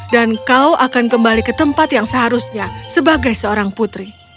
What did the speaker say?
dan kau akan kembali ke tempat yang seharusnya sebagai seorang putri